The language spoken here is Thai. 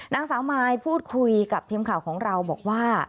นางสาวมายพูดคุยกับทีมข่าวของเราบอกว่า